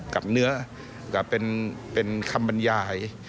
กับเนื้อกับเป็นคำบรรยาย